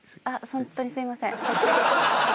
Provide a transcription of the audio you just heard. ホントにすいません。